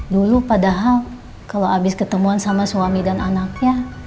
dulu padahal kalau habis ketemuan sama suami dan anaknya